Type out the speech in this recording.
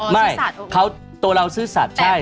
ไม่ตัวเราซื่อสัตว์ใช่